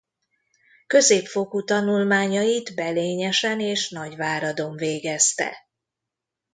Középfokú tanulmányait Belényesen és Nagyváradon végezte.